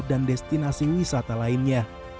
dan destinasi wisata lainnya